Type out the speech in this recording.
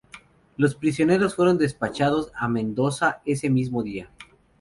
Los prisioneros fueron despachados a Mendoza ese mismo día.